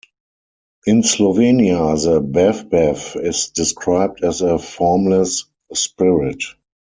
In Slovenia, the "Bavbav" is described as a formless spirit.